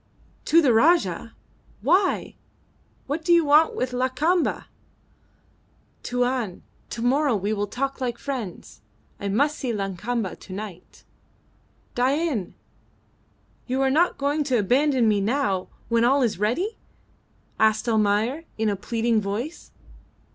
"To the Rajah! Why? What do you want with Lakamba?" "Tuan, to morrow we talk like friends. I must see Lakamba to night." "Dain, you are not going to abandon me now, when all is ready?" asked Almayer, in a pleading voice.